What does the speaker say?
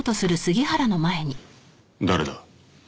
誰だ？